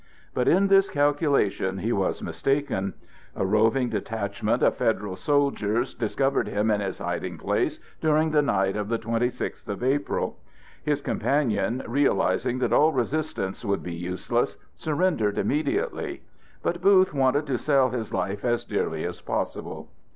But in this calculation he was mistaken. A roving detachment of federal soldiers discovered him in his hiding place, during the night of the twenty sixth of April. His companion, realizing that all resistance would be useless, surrendered immediately. But Booth wanted to sell his life as dearly as possible.